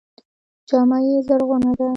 جامه یې زرغونه ده.